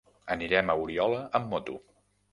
Anirem a Oriola amb moto.